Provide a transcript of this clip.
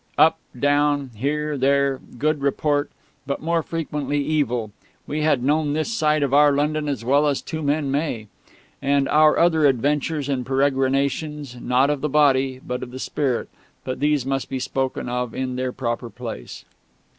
Up, down; here, there; good report, but more frequently evil ... we had known this side of our London as well as two men may. And our other adventures and peregrinations, not of the body, but of the spirit ... but these must be spoken of in their proper place.